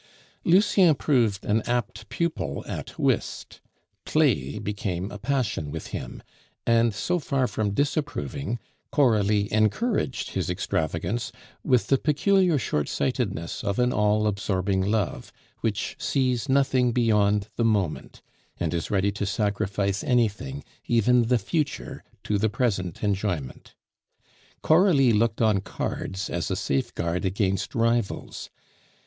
Lucien proved an apt pupil at whist. Play became a passion with him; and so far from disapproving, Coralie encouraged his extravagance with the peculiar short sightedness of an all absorbing love, which sees nothing beyond the moment, and is ready to sacrifice anything, even the future, to the present enjoyment. Coralie looked on cards as a safe guard against rivals.